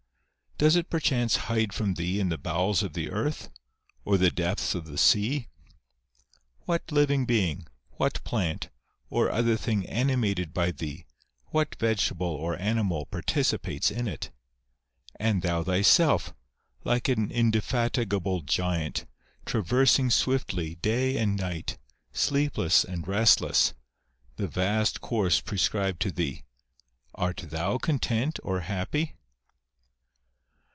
Does it perchance hide from thee in the bowels of the earth, or the depths of the sea ? What living being, what plant, or other thing animated by thee, what vegetable or animal participates in it ? And thou thyself, like an indefatigable giant, traversing swiftly, day and night, sleepless and restless, the vast course prescribed to thee ; art thou content or happy